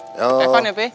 telepon ya pi